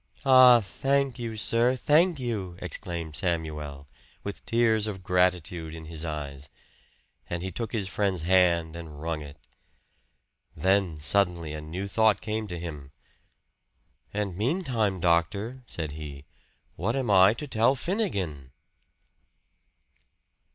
"Ah, thank you, sir thank you!" exclaimed Samuel, with tears of gratitude in his eyes. And he took his friend's hand and wrung it. Then, suddenly, a new thought came to him. "And meantime, doctor," said he, "what am I to tell Finnegan?"